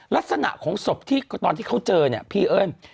ลักษณะของศพที่ตอนที่เขาเจอเนี่ยพี่เอิ้น